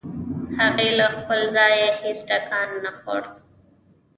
هغې له خپل ځايه هېڅ ټکان نه خوړ.